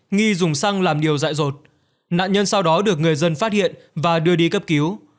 nghi dùng xăng làm điều dạy rột nạn nhân sau đó được người dân phát hiện và đưa đi cấp cứu